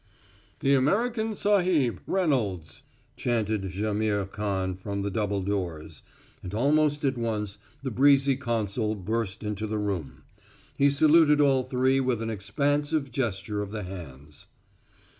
"The American sahib, Reynolds," chanted Jaimihr Khan from the double doors, and almost at once the breezy consul burst into the room. He saluted all three with an expansive gesture of the hands.